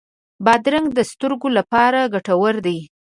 بادرنګ د سترګو لپاره ګټور دی.